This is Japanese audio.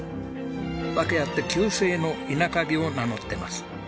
訳あって旧姓の「稲鍵」を名乗ってます。